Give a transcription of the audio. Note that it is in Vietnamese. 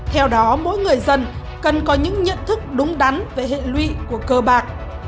theo đó mỗi người dân cần có những nhận thức đúng đắn về hệ lụy của cơ bạc